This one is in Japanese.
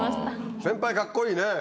先輩かっこいいね。